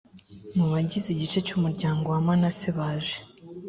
mu bagize igice cy umuryango wa manase baje